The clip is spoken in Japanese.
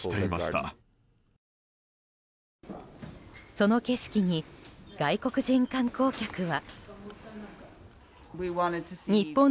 その景色に外国人観光客は。